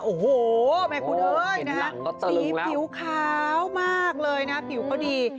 โอ้โหแม่คุณเอ้ยนะฮะสีผิวขาวมากเลยนะผิวเขาดี